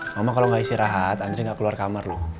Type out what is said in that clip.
mama kalau nggak istirahat antri nggak keluar kamar loh